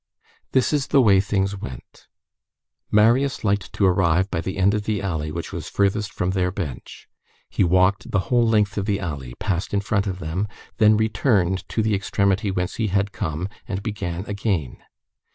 This is the way things went:— Marius liked to arrive by the end of the alley which was furthest from their bench; he walked the whole length of the alley, passed in front of them, then returned to the extremity whence he had come, and began again.